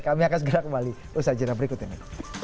kami akan segera kembali usaha jenah berikut ini